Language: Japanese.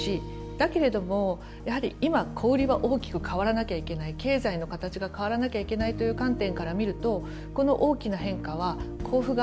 だけれどもやはり今小売りは大きく変わらなきゃいけない経済の形が変わらなきゃいけないという観点から見るとこの大きな変化は甲府が新たに生まれ変わる